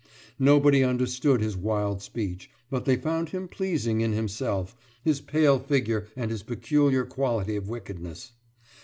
Nobody understood his wild speech, but they found him pleasing in himself, his pale figure and his peculiar quality of wickedness.